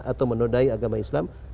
atau menundai agama islam